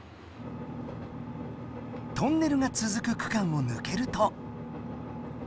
トンネルがつづく区間をぬけると。